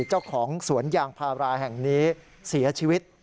เจ้าของสวนยางพาราแห่งนี้เสียชีวิต